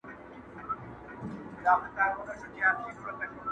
فخر په ښکلا دي ستا د خپل وجود ښکلا کوي,